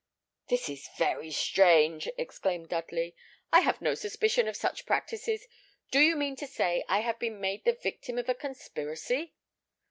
"This is very strange!" exclaimed Dudley; "I have had no suspicion of such practices. Do you mean to say I have been made the victim of a conspiracy?"